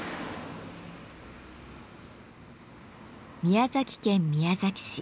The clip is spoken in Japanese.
宮崎県宮崎市。